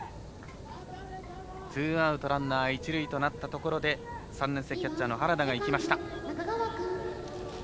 ツーアウトランナー一塁となったところで３年生キャッチャーの原田が行きました。